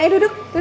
ayo duduk duduk